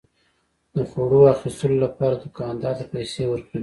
د خوړو اخیستلو لپاره دوکاندار ته پيسى ورکوي.